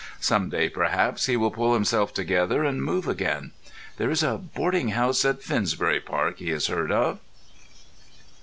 Some day, perhaps, he will pull himself together and move again. There is a boarding house at Finsbury Park he has heard of....